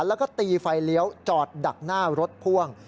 แล้วก็ตีไฟเลี้ยวจอดดักหน้ารถพ่วง